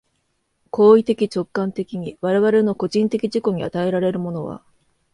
行為的直観的に我々の個人的自己に与えられるものは、